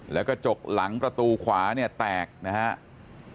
แล้วกระจกหลังประตูขวาเนี่ยแตกนะครับ